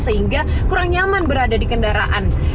sehingga kurang nyaman berada di kendaraan